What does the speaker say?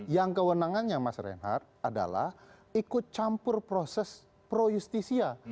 yang kewenangannya mas reinhardt adalah ikut campur proses pro justisia